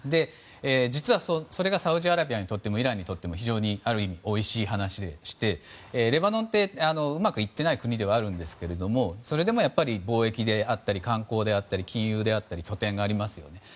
実は、それがサウジアラビアにとってもイランにとってもある意味、おいしい話でレバノンってうまくいっていない国ですがそれでもやっぱり貿易であったり観光、金融の拠点があります。